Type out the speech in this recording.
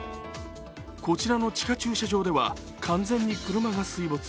こちらの地下駐車場では完全に車が水没。